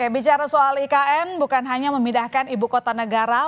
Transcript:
bicara soal ikn bukan hanya memindahkan ibu kota negara